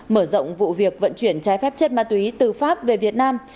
mở rộng vụ việc vận chuyển trái phép chất ma túy từ pháp về việt nam